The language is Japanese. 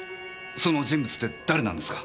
その人物って誰なんですか？